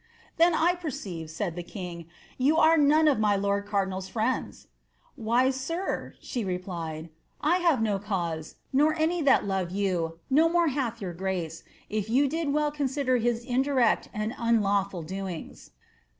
^^ Then 1 perceive,' said the king, ^ you are none of my lord cardi nal's friends.' ^ Why, sir,' replied she, ^ I have no cause, nor any that love jrou ; no more hath your grace, if you did well consider his indirect and unlawful doings.'"